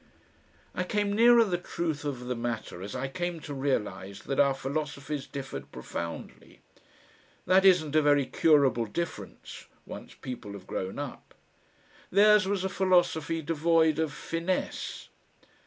I came nearer the truth of the matter as I came to realise that our philosophies differed profoundly. That isn't a very curable difference, once people have grown up. Theirs was a philosophy devoid of FINESSE.